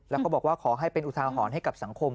แล้วก็บอกว่าขอให้เป็นอุทาหรณ์ให้กับสังคม